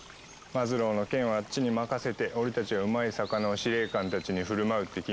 マズローの件はあっちに任せて俺たちはうまい魚を司令官たちに振る舞うって決めただろ。